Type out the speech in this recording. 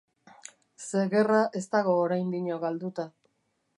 Ze gerra ez dago oraindino galduta.